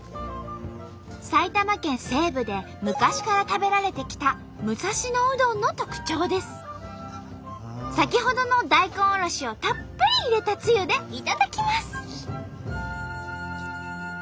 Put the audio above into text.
埼玉県西部で昔から食べられてきた先ほどの大根おろしをたっぷり入れたつゆでいただきます。